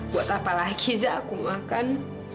buat apa lagi zah aku makan